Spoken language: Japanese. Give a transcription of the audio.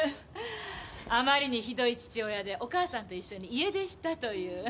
あまりにひどい父親でお母さんと一緒に家出したという。